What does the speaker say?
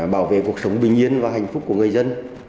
bảo vệ cuộc sống bình yên và hạnh phúc của người dân